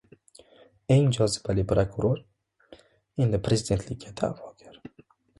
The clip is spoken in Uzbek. «Eng jozibali prokuror» endi prezidentlikka da’vogar